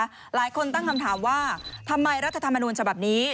หลายคนตั้งคำถามว่าทำไมรัฐธรรมนูญฉบับนี้